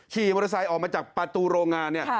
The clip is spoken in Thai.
ขี่มอเตอร์ไซค์ออกมาจากประตูโรงงานเนี่ย